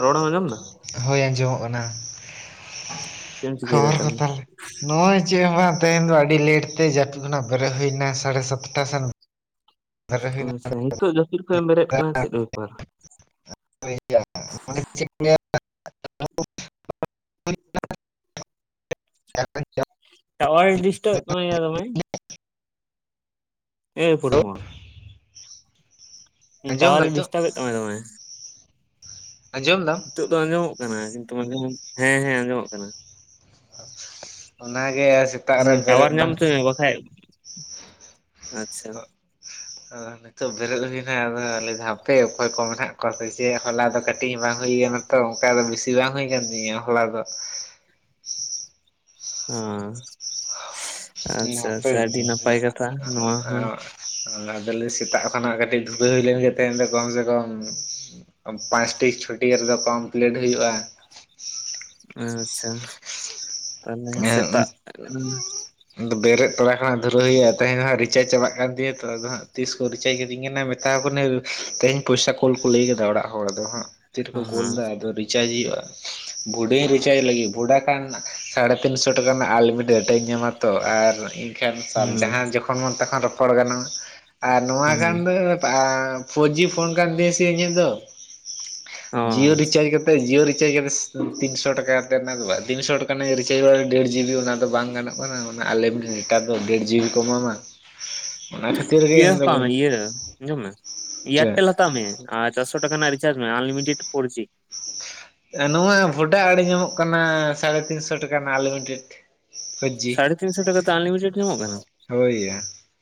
ᱨᱚᱲ ᱮᱢ ᱟᱸᱡᱚᱢ ᱫᱟ᱾ ᱦᱳᱭ ᱟᱸᱡᱚᱢᱚᱜ ᱠᱟᱱᱟ᱾ ᱪᱮᱫ ᱮᱢ ᱪᱤᱠᱟᱹᱭᱮᱫᱟ ᱠᱷᱚᱵᱚᱨ ᱠᱚ ᱛᱟᱦᱚᱞᱮ ᱱᱚᱜᱼᱚᱭ ᱪᱮᱫ ᱦᱚᱸ ᱵᱟᱝ ᱛᱮᱦᱮᱧ ᱫᱚ ᱟᱹᱰᱤ ᱞᱮᱴ ᱛᱮ ᱡᱟᱹᱯᱤᱫ ᱠᱷᱚᱱᱟᱜ ᱵᱮᱨᱮᱫ ᱦᱳᱭ ᱱᱟ ᱾ ᱥᱟᱲᱮ ᱥᱟᱛᱴᱟ ᱥᱮᱱ ᱵᱮᱨᱮᱫ ᱦᱩᱭᱱᱟ ᱟᱪᱪᱷᱟ, ᱦᱤᱛᱚᱜ ᱡᱟᱹᱯᱤᱫ ᱠᱷᱚᱡ ᱮᱢ ᱵᱮᱨᱮᱫ ᱠᱟᱱᱟ ᱪᱮᱫ ᱵᱮᱯᱟᱨ? ᱪ [unintelligible] ᱦ [unintelligible] ᱴᱟᱣᱟᱨ ᱮ ᱰᱤᱥᱴᱟᱯ ᱮᱫ ᱛᱟᱢᱟᱭᱟ ᱫᱚᱢᱮ᱾ ᱮ ᱯᱚᱨᱤᱢᱚᱞ᱾ ᱟᱸᱡᱚᱢ ᱴᱟᱣᱟᱨ ᱫᱟ ᱮ ᱱᱤᱛᱚᱜ ᱰᱤᱥᱴᱟᱵᱮᱫ ᱛᱟᱢᱟᱭ ᱫᱚᱢᱮ ᱟᱸᱡᱚᱢ ᱫᱟ ᱱᱤᱛᱚᱜ ᱫᱚ ᱟᱸᱡᱚᱢᱚᱜ ᱠᱟᱱᱟ ᱠᱤᱱᱛᱩ ᱢᱟᱡᱷᱮ ᱦᱮᱸ ᱦᱮᱸ ᱟᱸᱡᱚᱢᱚᱜ ᱠᱟᱱᱟ ᱚᱱᱟᱜᱮ ᱥᱮᱛᱟᱜ ᱨᱮ ᱴᱟᱣᱟᱨ ᱵᱮᱨᱮᱫ ᱧᱟᱢ ᱵᱟᱝ ᱦᱚᱪᱚᱭ ᱢᱮ ᱵᱟᱠᱷᱟᱡ ᱟᱪᱪᱷᱟ [unintelligible] ᱱᱤᱛᱚᱜ ᱵᱮᱨᱮᱫ ᱦᱩᱭᱮᱱᱟ ᱟᱫᱚ ᱞᱮᱫᱟ ᱦᱟᱯᱮ ᱚᱠᱚᱭ ᱠᱚ ᱢᱮᱱᱟᱜ ᱠᱚᱣᱟ ᱥᱮ ᱪᱮᱫ ᱦᱚᱞᱟ ᱫᱚ ᱠᱟᱹᱴᱤᱡ ᱦᱚᱸ ᱵᱟᱝ ᱦᱩᱭᱠᱟᱱᱟ ᱛᱚ ᱚᱝᱠᱟ ᱫᱚ ᱵᱤᱥᱤ ᱵᱟᱝ ᱦᱩᱭ ᱟᱠᱟᱱ ᱛᱤᱧᱟᱹ ᱦᱚᱞᱟ ᱫᱚ ᱚ ᱟᱪᱪᱷᱟ ᱦᱟᱯᱮ ᱟᱪᱪᱷᱟ ᱟᱹᱰᱤ ᱱᱟᱯᱟᱭ ᱠᱟᱛᱷᱟ ᱱᱚᱣᱟ ᱦᱚᱸ ᱟᱫᱚᱞᱤ ᱥᱮᱛᱟᱜ ᱠᱷᱚᱱᱟᱜ ᱠᱟᱹᱴᱤᱡ ᱫᱷᱩᱨᱟᱹ ᱦᱩᱭ ᱞᱮᱱ ᱜᱮ ᱛᱮᱦᱮᱧᱸ ᱫᱚ ᱠᱚᱢ ᱥᱮ ᱠᱚᱢ ᱯᱟᱸᱪᱴᱤ ᱪᱷᱩᱴᱤ ᱦᱟᱨᱤ ᱫᱚ ᱠᱚᱢᱯᱞᱤᱴ ᱦᱩᱭᱩᱜ-ᱟ ᱟᱪᱪᱷᱟ ᱛᱟᱞᱦᱮ ᱥᱮᱛᱟᱜ ᱵᱮᱨᱮᱫ ᱛᱚᱨᱟ ᱠᱷᱚᱱᱟᱜ ᱫᱷᱩᱨᱟᱹ ᱦᱩᱭᱩᱜ-ᱟ ᱛᱦᱮᱧ ᱫᱚ ᱦᱟᱸᱜ ᱨᱤᱪᱟᱡᱽ ᱪᱟᱵᱟᱜ ᱠᱟᱱ ᱛᱤᱧᱟᱹ ᱛᱚ ᱟᱫᱚ ᱦᱟᱸᱜ ᱛᱤᱥ ᱠᱚ ᱨᱤᱪᱟᱡᱽ ᱠᱤᱛᱤᱧ ᱠᱟᱱᱟ ᱛᱟᱣ ᱠᱟᱹᱱᱟᱹ ᱛᱮᱦᱮᱧ ᱯᱚᱭᱥᱟ ᱠᱩᱞ ᱠᱚ ᱞᱟᱹᱭ ᱠᱟᱫᱟ ᱚᱲᱟᱜ ᱦᱚᱲ ᱟᱫᱚ ᱦᱟᱸᱜ ᱛᱤᱨ ᱠᱚ ᱠᱳᱞ ᱦᱩᱸ ᱫᱟ ᱟᱫᱚ ᱨᱤᱪᱟᱡᱽ ᱦᱩᱭᱩᱜ-ᱟ ᱵᱷᱩᱰᱤᱧ ᱨᱤᱪᱟᱡᱽ ᱞᱟᱹᱜᱤᱫ ᱵᱷᱚᱰᱟ ᱠᱷᱟᱱ ᱥᱟᱲᱮ ᱛᱤᱱᱥᱚ ᱴᱟᱠᱟ ᱨᱮᱱᱟᱜ ᱟᱞᱤᱢᱤ ᱰᱟᱴᱟᱧ ᱧᱟᱢᱟ ᱛᱚ ᱟᱨ ᱮᱱᱠᱷᱟᱱ ᱦᱩᱸ ᱡᱟᱦᱟᱸ ᱡᱚᱠᱷᱚ ᱠᱷᱚᱱ ᱢᱚᱱ ᱛᱚᱠᱷᱚᱱ ᱨᱚᱯᱚᱲ ᱜᱟᱱᱚᱜᱼᱟ ᱟᱨ ᱱᱚᱣᱟ ᱜᱟᱱ ᱫᱚ ᱟᱻ ᱯᱷᱳᱨ ᱡᱤ ᱯᱷᱳᱱ ᱠᱟᱱ ᱛᱤᱧᱟᱹ ᱥᱮ ᱤᱧᱟᱹᱜ ᱫᱚ ᱚ ᱡᱤᱭᱳ ᱨᱤᱪᱟᱡᱽ ᱠᱟᱛᱮ ᱡᱤᱭᱳ ᱨᱤᱪᱟᱡᱽ ᱠᱟᱛᱮ ᱛᱤᱱ ᱥᱚ ᱴᱟᱠᱟ ᱛᱮ ᱨᱮᱱᱟᱜ ᱫᱚ ᱵᱟ ᱛᱤᱱᱥᱚ ᱨᱮᱱᱟᱜ ᱤᱧ ᱨᱤᱪᱟᱡᱽ ᱰᱟᱲᱟ ᱰᱮᱲ ᱡᱤᱵᱤ ᱚᱱᱟ ᱫᱚ ᱵᱟᱝ ᱜᱟᱱᱚᱜ ᱠᱟᱱᱟ ᱚᱱᱟ ᱟᱞᱮᱢᱤᱵ ᱰᱮᱴᱟ ᱫᱚ ᱰᱮᱲ ᱡᱤᱵᱤ ᱠᱚ ᱮᱢᱟᱢᱟ ᱚᱱᱟ ᱠᱷᱟᱛ ᱤᱭᱟᱹ ᱦᱟᱛᱟᱣ ᱢᱮ ᱤᱭᱟᱹ ᱟᱸᱡᱚᱢ ᱢᱮ ᱪᱮᱫ ᱤᱭᱟᱨᱴᱮᱞ ᱦᱟᱛᱟᱣ ᱢᱮ ᱟᱨ ᱪᱟᱨᱥᱚ ᱴᱟᱠᱟ ᱱᱟᱜ ᱨᱤᱪᱟᱡᱽ ᱢᱮ ᱟᱱᱞᱤᱢᱤᱴᱮᱰ ᱯᱷᱳᱨ ᱡᱤ ᱱᱚᱣᱟ ᱵᱷᱳᱰᱟ ᱟᱲᱮ ᱧᱟᱢᱚᱜ ᱠᱟᱱᱟ ᱥᱟᱲᱮ ᱛᱤᱱᱥᱚ ᱴᱟᱠᱟ ᱨᱮᱱᱟᱜ ᱟᱱᱞᱤᱢᱤᱴᱮᱰ ᱯᱷᱳᱨ ᱡᱤ ᱥᱟᱲᱮ ᱛᱤᱱᱥᱚ ᱴᱟᱚᱟ ᱛᱮ ᱟᱱ ᱞᱤᱢᱤᱴᱮᱰ ᱧᱢᱚᱜ ᱠᱟᱱᱟ ᱦᱳᱭ ᱭᱟ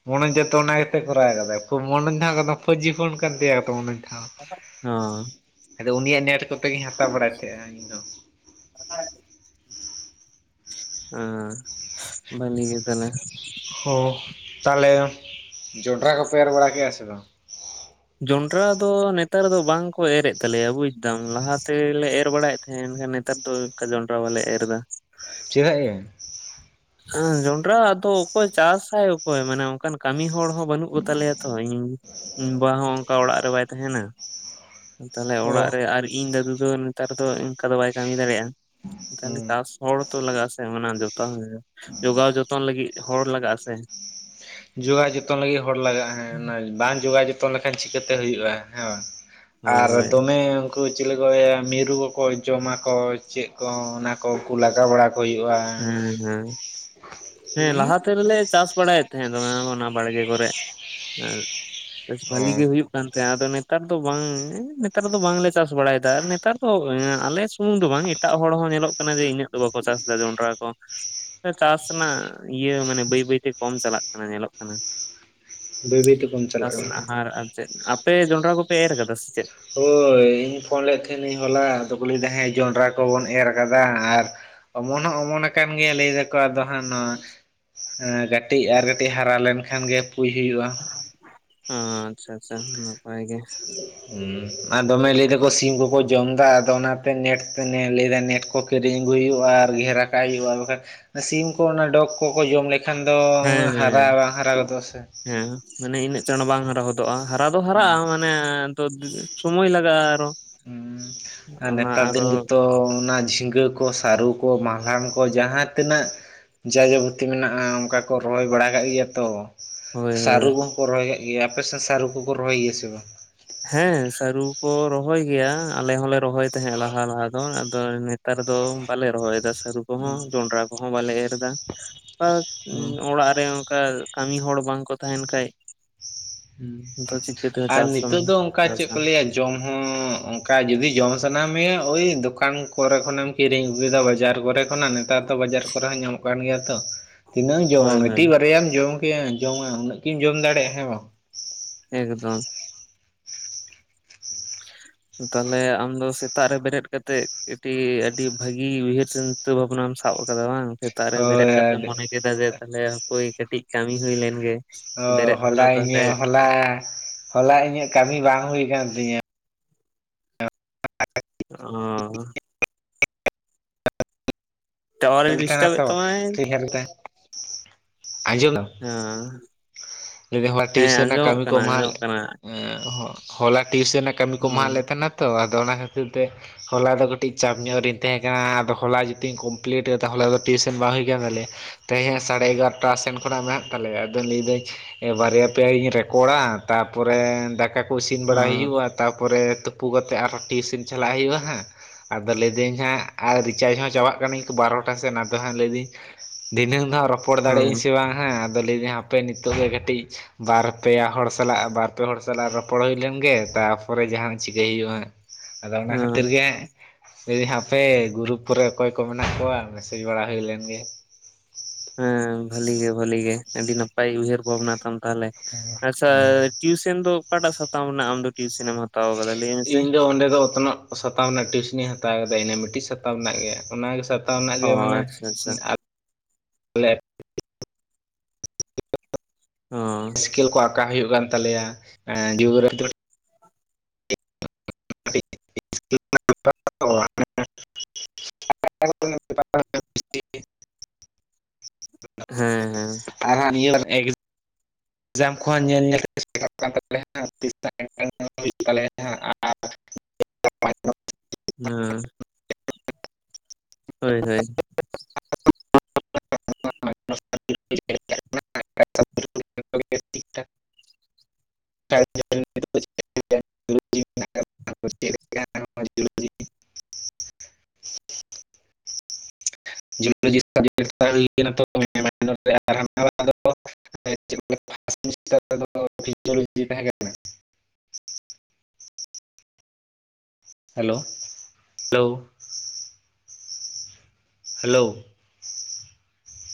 ᱢᱚᱱᱚᱡᱽ ᱫᱚ ᱛᱚ ᱚᱱᱟ ᱜᱮ ᱛᱚᱭ ᱠᱚᱨᱟᱣ ᱟᱫᱟᱭ ᱢᱚᱱᱚᱡᱽ ᱫᱚ ᱦᱟᱸᱜ ᱠᱚᱱᱚ ᱯᱷᱳᱨ ᱡᱤ ᱯᱚᱱ ᱠᱟᱱ ᱛᱟᱭᱟ ᱛᱚ ᱦᱟᱸᱜ ᱦᱚᱸ ᱟᱫᱚ ᱩᱱᱤᱭᱟᱜ ᱱᱮᱴ ᱠᱚᱛᱮ ᱜᱤᱧ ᱦᱟᱛᱟᱣ ᱵᱟᱲᱟᱭ ᱛᱟᱦᱮᱸᱼᱟ ᱤᱧ ᱦᱚᱸ [unintelligible] ᱚᱸ ᱵᱷᱟᱞᱤ ᱜᱮ ᱛᱟᱞᱮ ᱦᱚ ᱛᱟᱦᱞᱮ ᱡᱚᱸᱰᱨᱟ ᱠᱚᱯᱮ ᱮᱨ ᱵᱟᱲᱟ ᱠᱮᱜᱼᱟ ᱥᱮ ᱵᱟᱝ ᱡᱚᱱᱰᱨᱟ ᱫᱚ ᱱᱮᱛᱟᱨ ᱫᱚ ᱵᱟᱝᱠᱚ ᱮᱨᱮᱫ ᱛᱟᱞᱮᱭᱟ ᱵᱩᱡ ᱫᱟᱢ ᱞᱟᱦᱟ ᱛᱮᱞᱮ ᱮᱨ ᱵᱟᱲᱟᱭᱮᱫ ᱮᱱᱠᱷᱟᱱ ᱱᱮᱛᱟᱨ ᱫᱚ ᱡᱚᱸᱰᱨᱟ ᱵᱟᱞᱮ ᱮᱨ ᱫᱟ ᱪᱮᱫᱟᱜ ᱭᱟ ᱮᱸ ᱡᱚᱸᱰᱨᱟ ᱟᱫᱚ ᱚᱠᱚᱭ ᱪᱟᱥ ᱟᱭ ᱚᱠᱚᱭ ᱢᱟᱱᱮ ᱚᱝᱠᱟᱱ ᱠᱟᱹᱢᱤ ᱦᱚᱲ ᱦᱚᱸ ᱵᱟᱹᱱᱩᱜ ᱠᱚᱛᱟᱞᱮᱭᱟ ᱛᱚ ᱤᱧ ᱤᱧ ᱵᱟ ᱦᱚᱸ ᱚᱝᱠᱟ ᱚᱲᱟᱜ ᱨᱮ ᱵᱟᱭ ᱛᱟᱦᱮᱱᱟ ᱛᱟᱦᱞᱮ ᱚ ᱚᱲᱟᱜ ᱨᱮ ᱟᱨ ᱤᱧ ᱫᱟᱫᱩ ᱫᱚ ᱱᱮᱛᱟᱨ ᱫᱚ ᱮᱝᱠᱟ ᱫᱚ ᱵᱟᱭ ᱠᱟᱹᱢᱤ ᱫᱟᱲᱮᱟ ᱦᱩᱸ ᱛᱟᱦᱞᱮ ᱪᱟᱥ ᱦᱚᱲ ᱛᱚ ᱞᱟᱜᱟ ᱟᱥᱮ ᱚᱱᱟ ᱡᱛᱟ ᱡᱚᱜᱟᱣ ᱡᱚᱛᱚᱱ ᱞᱟᱹᱜᱤᱫ ᱦᱚᱲ ᱞᱟᱜᱟ ᱟ ᱥᱮ ᱡᱚᱜᱟᱣ ᱡᱚᱛᱚᱱ ᱞᱟᱹᱜᱤᱫ ᱦᱚᱲ ᱞᱟᱜᱟᱜᱼᱟ ᱦᱮᱸ ᱚᱱᱟ ᱵᱟᱝ ᱡᱚᱜᱟᱣ ᱡᱚᱛᱚᱱ ᱞᱮᱠᱷᱟᱱ ᱪᱤᱠᱟᱹᱛᱮ ᱦᱩᱭᱩᱜᱼᱟ ᱦᱮᱸ ᱵᱟᱝ ᱦᱳᱭ ᱟᱨ ᱦᱳᱭ ᱫᱚᱢᱮ ᱠᱩ ᱪᱤᱞᱤ ᱠᱚ ᱢᱤᱨᱩ ᱠᱚᱠᱚ ᱡᱚᱢᱟᱠᱚ ᱪᱮᱫ ᱠᱚ ᱚᱱᱟ ᱠᱚ ᱠᱩ ᱞᱟᱜᱟ ᱵᱟᱲᱟ ᱦᱩᱭᱩᱟ ᱦᱮᱸ ᱦᱮᱸ ᱦᱮᱸ ᱞᱟᱦᱟᱛᱮ ᱨᱮᱞᱮ ᱪᱟᱥ ᱵᱟᱲᱟᱭᱮᱫ ᱛᱟᱦᱮᱸᱫ ᱫᱚᱢᱮ ᱚᱱᱟ ᱵᱟᱲᱜᱮ ᱠᱚᱨᱮ ᱵᱮᱥ ᱚ ᱵᱷᱟᱞᱤ ᱜᱮ ᱦᱩᱭᱩᱜ ᱠᱟᱱ ᱛᱟᱦᱮᱸ ᱟᱫᱚ ᱱᱮᱛᱟᱨ ᱫᱚ ᱵᱟᱝ ᱱᱮᱛᱟᱨ ᱫᱚ ᱵᱟᱝᱞᱮ ᱪᱟᱥ ᱵᱟᱲᱟᱭᱮᱫᱟ ᱟᱨ ᱱᱮᱛᱟᱨ ᱫᱚ ᱟᱞᱮ ᱥᱩᱢᱩᱝ ᱫᱚ ᱵᱟᱝ ᱮᱴ ᱴᱟᱜ ᱦᱚᱲ ᱦᱚᱸ ᱧᱮᱞᱚᱜ ᱠᱟᱱᱟ ᱡᱮ ᱤᱱᱟᱹᱜ ᱫᱚ ᱵᱟᱠᱚ ᱪᱟᱥ ᱮᱫᱟ ᱡᱚᱸᱰᱨᱟ ᱠᱚ ᱪᱟᱥ ᱨᱮᱱᱟᱜ ᱤᱭᱟᱹ ᱢᱟᱱᱮ ᱵᱟᱹᱭ ᱵᱟᱹᱭᱛᱮ ᱠᱚᱢ ᱪᱟᱞᱟᱜ ᱠᱟᱱᱟ ᱧᱮᱞᱚᱜ ᱠᱟᱱᱟ ᱵᱟᱹᱭ ᱵᱟᱹᱭ ᱛᱮᱵᱚᱱ ᱪᱟᱞᱟᱜ ᱠᱟᱱᱟ ᱪᱟᱥᱱᱟᱜ ᱦᱟᱨ ᱟᱨ ᱪᱮᱫ ᱟᱯᱮ ᱡᱚᱸᱰᱨᱟ ᱠᱚᱯᱮ ᱮᱨ ᱠᱟᱫᱟ ᱥᱮ ᱪᱮᱫ ᱦᱳᱭ ᱤᱧ ᱯᱷᱳᱱ ᱞᱮᱫ ᱛᱟᱦᱮᱱᱤᱧ ᱦᱚᱞᱟ ᱟᱫᱚᱠᱚ ᱞᱟᱹᱭᱫᱟ ᱦᱮᱸ ᱡᱚᱸᱰᱨᱟ ᱠᱚᱵᱚᱱ ᱮᱨ ᱠᱟᱫᱟ ᱟᱨ ᱚᱢᱚᱱ ᱦᱚᱸ ᱚᱢᱚᱱ ᱟᱠᱟᱱ ᱜᱮᱭᱟ ᱞᱟᱹᱭ ᱫᱟᱠᱚ ᱟᱫᱚ ᱦᱟ ᱱᱚᱣᱟ ᱠᱟᱹᱴᱤᱡ ᱟᱨ ᱠᱟᱹᱴᱤᱡ ᱦᱟᱨᱟ ᱞᱮᱱᱠᱷᱟᱱ ᱜᱮ ᱯᱩᱭ ᱦᱩᱭᱩᱜᱼᱟ ᱚ ᱟᱪᱪᱷᱟ ᱟᱪᱪᱷᱟ ᱱᱟᱯᱟᱭ ᱜᱮ ᱦᱮᱸ ᱟᱨ ᱫᱚᱢᱮ ᱞᱟᱹᱭ ᱫᱟᱠᱚ ᱥᱤᱢ ᱠᱚᱠᱚ ᱡᱚᱢᱫᱟ ᱟᱫᱚ ᱚᱱᱟᱛᱮ ᱱᱮᱴ ᱞᱟᱹᱭᱫᱟ ᱱᱮᱴ ᱠᱚ ᱠᱤᱨᱤᱧ ᱟᱹᱜᱩᱭ ᱦᱩᱭᱩᱜᱼᱟ ᱟᱨ ᱜᱷᱮᱨᱟ ᱠᱟᱜ ᱦᱩᱭᱩᱜᱼᱟ ᱵᱟᱠᱷᱟᱱ ᱥᱤᱢ ᱠᱚ ᱚᱱᱟ ᱰᱚᱜᱽ ᱠᱚᱠᱚ ᱡᱚᱢ ᱞᱮᱠᱷᱟᱱ ᱠᱷᱟᱱ ᱫᱚ ᱦᱮᱸ ᱦᱟᱨᱟ ᱦᱮᱸ ᱵᱟ ᱦᱟᱨᱟ ᱜᱚᱫᱚᱼᱟ ᱥᱮ ᱦᱮᱸ ᱢᱟᱱᱮ ᱤᱱᱟᱹᱜ ᱪᱟᱬ ᱵᱟᱝ ᱦᱟᱨᱟ ᱦᱚᱫᱚᱜᱼᱟ ᱦᱟᱨᱟ ᱫᱚ ᱦᱩᱸ ᱦᱟᱨᱟᱜᱼᱟ ᱢᱟᱱᱮ ᱥᱚᱢᱚᱭ ᱞᱟᱜᱟᱜᱼᱟ ᱟᱨᱚ ᱦᱮ ᱟᱨ ᱚᱱᱟ ᱱᱮᱛᱟᱨ ᱟᱨᱚ ᱫᱤᱱ ᱜᱮᱛᱚ ᱚᱱᱟ ᱡᱷᱤᱸᱜᱟᱹ ᱠᱚ ᱠᱚ ᱥᱟᱹᱨᱩ ᱠᱚ ᱢᱟᱞᱟᱱ ᱠᱚ ᱡᱟᱦᱟᱸ ᱛᱤᱱᱟᱹᱜ ᱡᱟ ᱡᱟᱵᱚᱛᱤ ᱢᱮᱱᱟᱜᱼᱟ ᱚᱱᱠᱟ ᱠᱚ ᱨᱚᱦᱚᱭ ᱵᱟᱲᱟ ᱠᱟᱜ ᱜᱮᱭᱟ ᱛᱚ ᱦᱳᱭ ᱦᱳᱭ ᱥᱟᱹᱨᱩ ᱠᱚᱦᱚᱸ ᱠᱚ ᱨᱚᱦᱚᱭ ᱠᱟᱜ ᱜᱮᱭᱟ ᱟᱯᱮ ᱥᱮᱫ ᱥᱟᱹᱨᱩ ᱠᱚᱠᱚ ᱨᱚᱦᱚᱭ ᱜᱮᱭᱟ ᱥᱮ ᱵᱟᱝ ᱦᱮᱸ ᱥᱟᱹᱨᱩ ᱠᱚ ᱨᱚᱦᱚᱭ ᱜᱮᱭᱟ ᱟᱞᱮ ᱦᱚᱞᱮ ᱨᱚᱦᱚᱭ ᱛᱟᱦᱮᱸᱫ ᱞᱟᱦᱟ ᱞᱟᱦᱟ ᱫᱚ ᱟᱫᱚ ᱱᱮᱛᱟᱨ ᱫᱚ ᱵᱟᱞᱮ ᱨᱚᱦᱚᱭᱮᱫᱟ ᱥᱟ. ᱨᱩ ᱠᱚᱦᱚᱸ ᱦᱩᱸ ᱡᱚᱱᱰᱨᱟ ᱠᱚᱦᱚᱸ ᱵᱟᱞᱮ ᱮᱨ ᱮᱫᱟ ᱦᱩᱸ [unintelligible] ᱚᱲᱟᱜ ᱨᱮ [unintelligible] ᱠᱟᱹᱢᱤ ᱦᱚᱲ ᱵᱟᱝ ᱠᱚ ᱛᱟᱦᱮᱱ ᱠᱷᱟᱡ ᱫᱚ ᱪᱤᱠᱟᱹᱛᱮ [unintelligible] ᱟᱨ ᱪᱟᱥ ᱫᱚᱢ ᱱᱤᱛᱚᱜ ᱫᱚ ᱚᱱᱠᱟ ᱪᱮᱫ ᱪᱟᱥᱟ ᱠᱚ ᱞᱟᱹᱭᱟ ᱡᱚᱢ ᱦᱚᱸᱻ ᱚᱱᱠᱟ ᱡᱩᱫᱤ ᱡᱚᱢ ᱥᱟᱱᱟ ᱢᱮᱭᱟ ᱚᱭ ᱫᱚᱠᱟᱱ ᱠᱚᱨᱮ ᱠᱷᱚᱱᱮᱢ ᱠᱤᱨᱤᱧ ᱟᱜᱩᱣᱫᱟ ᱵᱟᱡᱟᱨ ᱠᱚᱨᱮ ᱠᱷᱚᱱᱟᱜ ᱱᱮᱛᱟᱨ ᱫᱚ ᱵᱟᱡᱟᱨ ᱠᱚᱨᱮ ᱦᱚᱸ ᱧᱟᱢᱚᱜ ᱠᱟᱱ ᱜᱮᱭᱟ ᱛᱚ ᱾ ᱛᱤᱱᱟᱹᱜ ᱮᱢ ᱡᱚᱢᱟ ᱦᱳᱭ ᱦᱳᱭ ᱢᱤᱫᱴᱤᱡ ᱵᱟᱨᱭᱟᱢ ᱡᱚᱢ [unintelligible] ᱡᱚᱢᱟ ᱩᱱᱟᱹᱜ ᱠᱤᱢ ᱡᱚᱢ ᱫᱟᱲᱮᱭᱟᱜᱼᱟ ᱦᱮᱸ ᱵᱟᱝ? ᱮᱠᱫᱚᱢ ᱛᱟᱦᱮ ᱟᱢ ᱫᱚ ᱥᱮᱛᱟᱜ ᱨᱮ ᱵᱮᱨᱮᱫ ᱠᱟᱛᱮᱫ ᱠᱟᱹᱴᱤᱡ ᱟᱹᱰᱤ ᱵᱷᱟᱹᱜᱤ ᱩᱭᱦᱟᱹᱨ ᱥᱮᱱ ᱪᱤᱱᱛᱟᱹ ᱵᱷᱟᱵᱱᱟᱢ ᱥᱟᱵ ᱟᱠᱟᱫᱟ ᱵᱟᱝ ᱥᱮᱛᱟᱜ ᱨᱮ ᱵᱮᱨᱮᱫ ᱦᱳᱭ ᱠᱟᱛᱮ ᱟᱨ ᱢᱚᱱᱮ ᱠᱮᱫᱟ ᱡᱮ ᱛᱟᱦᱚᱞᱮ ᱦᱚᱭ ᱠᱟᱹᱴᱤᱡ ᱠᱟᱹᱢᱤ ᱦᱩᱭ ᱞᱮᱱ ᱜᱮ ᱾ ᱚ ᱦᱚᱞᱟ ᱤᱧᱟᱹᱜ ᱦᱚᱞᱟ, ᱦᱚᱞᱟ ᱤᱧᱟᱹᱜ ᱠᱟᱹᱢᱤ ᱵᱟᱝ ᱦᱩᱭ ᱟᱠᱟᱱ ᱛᱤᱧᱟᱹ ᱾ [unintelligible] [unintelligible] ᱴᱟᱣᱟᱨᱮ ᱱᱟ ᱰᱤᱥᱴᱟᱵᱮᱫ ᱛᱚ ᱛᱟᱢᱟᱭ ᱦᱮᱸ [unintelligible] ᱟᱸᱡᱚᱢ ᱢᱮ ᱡᱫᱤ ᱦᱚᱲ ᱦᱮᱸ ᱴᱤᱭᱩᱥᱚᱱ ᱨᱮᱱᱟᱜ ᱟᱸᱡᱚᱢᱚᱜ ᱠᱟᱹᱢᱤ ᱠᱚ ᱠᱟᱱᱟ ᱮᱢ ᱟᱸᱡᱚᱢᱚᱜ ᱠᱟᱱᱟ ᱦᱚᱞᱟ ᱴᱤᱭᱩᱥᱮᱱ ᱨᱮᱱᱟᱜ ᱠᱟᱹᱢᱤ ᱠᱚ ᱮᱢᱟᱦᱟᱞᱮ ᱦᱮᱸ ᱛᱟᱦᱮᱱᱟ ᱛᱚ ᱟᱫᱚ ᱚᱱᱟ ᱠᱷᱟᱹᱛᱤᱨ ᱛᱮ ᱦᱚᱞᱟ ᱫᱚ ᱠᱟᱹᱴᱤᱡ ᱪᱟᱯ ᱧᱚᱜ ᱨᱤᱧ ᱛᱟᱦᱮᱸ ᱠᱟᱱᱟ ᱾ ᱟᱫᱚ ᱦᱚᱞᱟ ᱡᱩᱫᱤᱧᱢ ᱠᱚ ᱢᱯᱟᱞᱤᱴ ᱠᱮᱫ ᱛᱟᱦᱚᱞ ᱟᱫᱚ ᱴᱤᱭᱩᱥᱮᱱ ᱵᱟᱝ ᱦᱩᱭᱟᱠᱟᱱ ᱛᱟᱞᱮᱭᱟ ᱾ ᱛᱮᱦᱮᱸᱧ ᱦᱚ ᱥᱟᱲᱮ ᱮᱜᱟᱨᱚᱴᱟ ᱥᱮᱱ ᱠᱷᱚᱱᱟᱜ ᱢᱮᱱᱟᱜ ᱛᱟᱞᱮᱭᱟ ᱟᱫᱚ ᱞᱟᱹᱭᱫᱟᱹᱧ ᱵᱟᱨᱭᱟ ᱯᱮᱭᱟᱤᱧ ᱨᱮᱠᱚᱲᱟ ᱛᱟᱨᱯᱚᱨᱮ ᱫᱟᱠᱟ ᱠᱚ ᱤᱥᱤᱱ ᱵᱟᱲᱟ ᱦᱮᱸ ᱦᱩᱭᱩᱜᱼᱟ ᱾ ᱛᱟᱨᱯᱚᱨᱮ ᱛᱩᱯᱩ ᱠᱟᱛᱮᱫ ᱟᱨᱦᱚᱸ ᱴᱤᱭᱩᱥᱤᱱ ᱪᱟᱞᱟᱜ ᱦᱩᱭᱩᱜᱼᱟ ᱦᱟᱸᱜ ᱟᱫᱚ ᱞᱟᱹᱭᱫᱟᱹᱧ ᱦᱟᱜ ᱟᱨ ᱨᱤᱪᱟᱨᱡᱽ ᱦᱚᱸ ᱪᱟᱵᱟᱜ ᱠᱟᱹᱱᱟᱹᱧ ᱵᱟᱨᱚᱴᱟ ᱥᱮᱱ ᱟᱫᱚ ᱦᱟᱸᱜ ᱞᱟᱹᱭᱫᱟᱹᱧ ᱫᱷᱤᱱᱟᱹᱝ ᱫᱚ ᱦᱟᱸᱜ ᱨᱚᱯᱚᱲ ᱫᱟᱲᱮᱭᱟᱜ ᱟᱹᱧ ᱦᱮᱸ ᱥᱮ ᱵᱟᱝ ᱦᱟᱸᱜ ᱟᱫᱚ ᱞᱟᱹᱭᱮᱫᱟᱹᱧ ᱦᱟᱯᱮ ᱱᱤᱛᱚᱜ ᱫᱚ ᱠᱟᱹᱴᱤᱡ ᱵᱟᱨ ᱯᱮ ᱦᱚᱲ ᱥᱟᱞᱟᱜ ᱵᱟᱨᱯᱮ ᱦᱚᱲ ᱥᱟᱞᱟᱜ ᱨᱚᱯᱚᱲ ᱦᱩᱭ ᱞᱮᱱᱜᱮ ᱛᱟᱯᱚᱨᱮ ᱡᱟᱦᱟᱸᱱ ᱪᱤᱠᱟᱹᱭ ᱦᱩᱭᱩᱜᱼᱟ ᱾ ᱟᱫᱚ ᱚᱱᱟ ᱦᱮᱸ ᱠᱷᱟᱹᱛᱤᱨ ᱜᱮ ᱡᱮᱱᱫᱟᱧ ᱦᱟᱯᱮ ᱜᱩᱨᱩᱯ ᱠᱚᱨᱮ ᱚᱠᱚᱭ ᱠᱚ ᱢᱮ ᱱᱟᱜ ᱠᱚᱣᱟ ᱢᱮᱥᱮᱡᱽ ᱵᱟᱲᱟ ᱦᱩᱭᱞᱮᱱ ᱜᱮ ᱦᱮᱸ ᱵᱷᱟᱹᱞᱤ ᱜᱮ ᱵᱷᱟᱹᱞᱤ ᱜᱮ ᱟᱹᱰᱤ ᱱᱟᱯᱟᱭ ᱩᱭᱦᱟᱹᱨ ᱵᱷᱟᱵᱱᱟ ᱾ ᱛᱟᱦᱚᱞᱮ ᱟᱪᱪᱷᱟ ᱴᱤᱩᱥᱮᱱ ᱫᱚ ᱚᱠᱟᱴᱟᱜ ᱥᱟᱛᱟᱢ ᱨᱮᱱᱟᱜ ᱟᱢ ᱫᱚ ᱴᱤᱭᱩᱥᱮᱱᱢ ᱦᱟᱛᱟ ᱤᱧ ᱫᱚ ᱚᱸᱰᱮ ᱫᱚ ᱚᱛᱱᱚᱜ ᱥᱟᱛᱟᱢ ᱨᱮᱱᱟᱜ ᱴᱤᱭᱩᱥᱮᱱᱤᱧ ᱦᱟᱛᱟᱣ ᱠᱮᱫᱟ ᱤᱱᱟ ᱢᱤᱫᱴᱤᱡ ᱥᱟᱛᱟᱢ ᱨᱮᱱᱟᱜ ᱜᱮ ᱚᱱᱟᱜᱮ ᱚ ᱟᱪᱪᱷᱟ ᱟᱪᱪᱷᱟ [unintelligible] ᱜᱮ ᱢᱟᱱᱮ ᱦᱚᱸ [unintelligible] ᱠᱚ ᱟᱠᱟ ᱦᱩᱭᱩᱜ ᱠᱟᱱ ᱛᱟᱞᱮᱭᱟ [unintelligible] [inaudible] [unintelligible] [inaudible] ᱦᱮᱸ ᱦᱮᱸ [unintelligible] ᱡᱟᱢ ᱠᱚᱦᱚᱸ ᱧᱮᱞ ᱧᱮᱞ ᱛᱮ [unintelligible] ᱠᱟᱱ ᱛᱟᱞᱮᱭᱟ ᱛᱤᱥ [unintelligible] ᱦᱩᱭᱩᱜ ᱛᱟᱞᱮᱭᱟ ᱟᱨ [unintelligible] ᱦᱮᱸ ᱦᱳᱭ ᱦᱳᱭ [unintelligible] [unintelligible] [unintelligible] [inaudible] [unintelligible] [unintelligible] ᱛᱟᱦᱮᱸ [unintelligible] ᱦᱮᱞᱳ ᱦᱮᱞᱳ ᱦᱮᱞᱳ